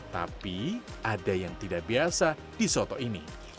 tapi ada yang tidak biasa di soto ini